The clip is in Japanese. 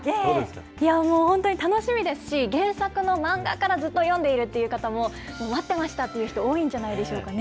いやもう、本当に楽しみですし、原作の漫画からずっと読んでいるという方も、待ってましたという方も多いんじゃないでしょうかね。